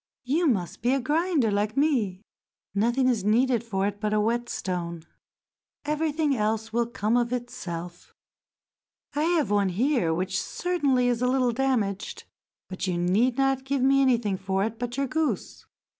"You must be a grinder like me—nothing is needed for it but a whetstone; everything else will come of itself. I have one here which certainly is a little damaged, but you need not give me anything for it but your goose.